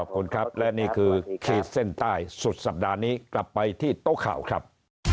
ขอบคุณครับและนี่คือขีดเส้นใต้สุดสัปดาห์นี้กลับไปที่โต๊ะข่าวครับ